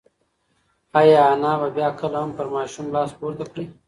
ایا انا به بیا کله هم پر ماشوم لاس پورته کړي؟